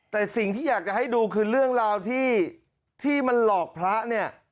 แต่สิ่งที่อยากจะให้ดูคือเรื่องราวที่มันหลอกพระเนี่ย